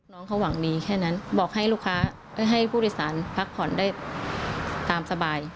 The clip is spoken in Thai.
น้องเขาหวังดีแค่นั้นบอกให้ผู้ลิกษาผักผ่อนได้ตามสบาย